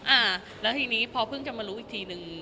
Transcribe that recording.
อ่าแล้วทีนี้พอเพิ่งจะมารู้อีกทีนึง